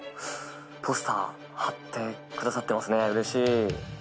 ポスター張ってくださってますねうれしい。